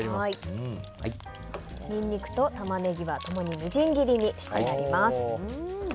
ニンニクとタマネギは共にみじん切りにしてあります。